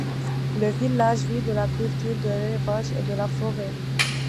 Le village vit de la culture de l’élevage et de la forêt.